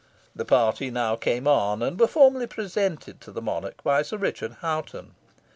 The party now came on, and were formally presented to the monarch by Sir Richard Hoghton.